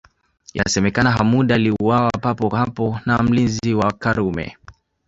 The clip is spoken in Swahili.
Inasemekana Hamoud aliuawa papo hapo na mlinzi wa Karume